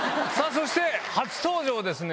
そして初登場ですね